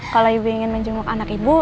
kalau ibu ingin menjenguk anak ibu